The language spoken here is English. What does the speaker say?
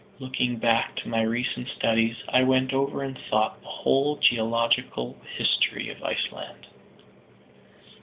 Looking back to my recent studies, I went over in thought the whole geological history of Iceland.